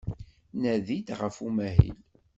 Nadi-d ɣef umahil.